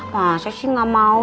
masa sih gak mau